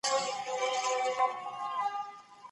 ایا د کور دننه د هوا د جریان شتون روغتیا ساتي؟